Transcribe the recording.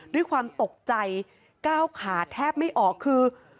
ด้วยความตกใจก้าวขาแทบไม่ออกคือ